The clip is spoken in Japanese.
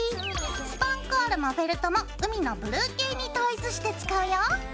スパンコールもフェルトも海のブルー系に統一して使うよ。